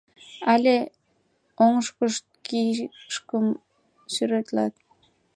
Але оҥышкышт кишкым сӱретлат.